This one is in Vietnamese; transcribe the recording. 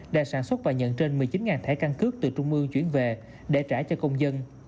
đã sản xuất và nhận trên một mươi chín thẻ căn cước từ trung ương chuyển về để trả cho công dân